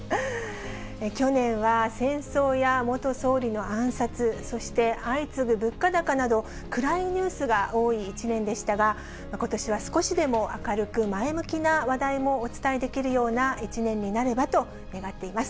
去年は戦争や元総理の暗殺、そして相次ぐ物価高など、暗いニュースが多い一年でしたが、ことしは少しでも明るく前向きな話題もお伝えできるような一年になればと願っています。